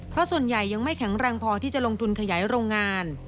เพราะส่วนใหญ่ยังไม่แข็งแรงพอที่จะลงทุนขยายโรงงาน